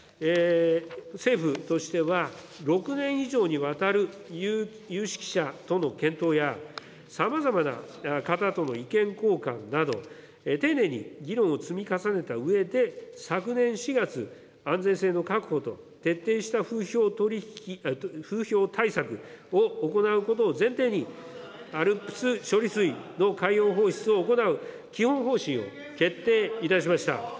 政府としては、６年以上にわたる有識者との検討や、さまざまな方との意見交換など、丁寧に議論を積み重ねたうえで、昨年４月、安全性の確保と徹底した風評対策を行うことを前提に、ＡＬＰＳ処理水の海洋放出を行う基本方針を決定いたしました。